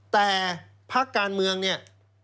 แต่พักการเมืองเนี่ย